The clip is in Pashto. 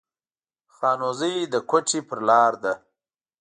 خانوزۍ د کوټي پر لار ده